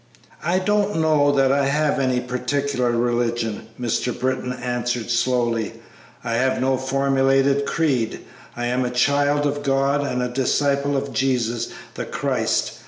"I don't know that I have any particular religion," Mr. Britton answered, slowly; "I have no formulated creed. I am a child of God and a disciple of Jesus, the Christ.